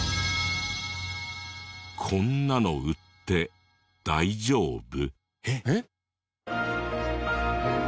こんなの売って大丈夫？